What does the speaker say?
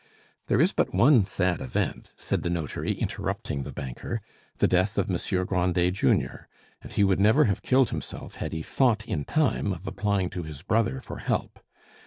"There is but one sad event," said the notary, interrupting the banker, "the death of Monsieur Grandet, junior; and he would never have killed himself had he thought in time of applying to his brother for help.